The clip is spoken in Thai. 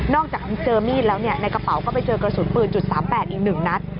จากเจอมีดแล้วในกระเป๋าก็ไปเจอกระสุนปืน๓๘อีก๑นัด